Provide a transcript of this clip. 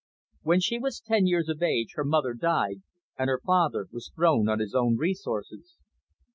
When she was ten years of age, her mother died, and her father was thrown on his own resources.